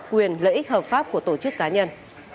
quyền lợi ích hợp pháp của tổ chức cá nhân